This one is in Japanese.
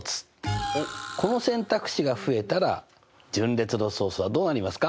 この選択肢が増えたら順列の総数はどうなりますか？